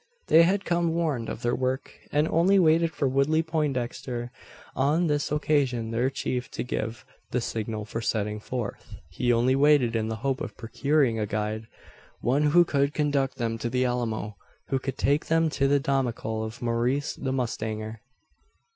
They had come warned of their work, and only waited for Woodley Poindexter on this occasion their chief to give the signal for setting forth. He only waited in the hope of procuring a guide; one who could conduct them to the Alamo who could take them to the domicile of Maurice the mustanger.